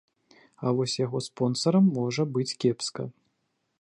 А вось яго спонсарам можа быць кепска.